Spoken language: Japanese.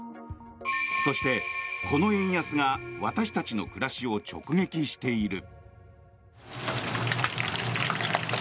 そして、この円安が私たちの暮らしを直撃している。